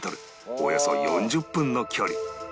およそ４０分の距離